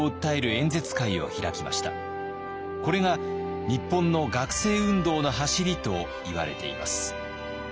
これが日本の学生運動のはしりといわれています。